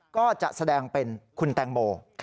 ก็จะแสดงเป็นคุณแตงโม